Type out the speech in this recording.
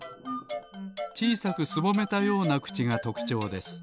ちいさくすぼめたようなくちがとくちょうです